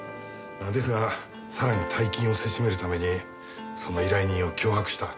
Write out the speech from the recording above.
ですがさらに大金をせしめるためにその依頼人を脅迫した。